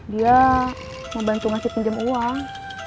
dia mau bantu ngasih pinjam uang